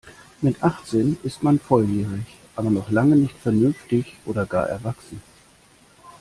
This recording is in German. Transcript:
Mit achtzehn ist man volljährig, aber noch lange nicht vernünftig oder gar erwachsen.